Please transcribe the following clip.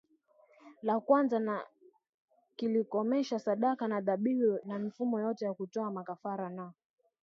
la kwanza na kilikomesha sadaka na dhabihu na mifumo yote ya kutoa Makafara na